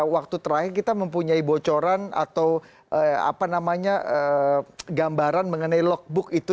waktu terakhir kita mempunyai bocoran atau gambaran mengenai logbook itu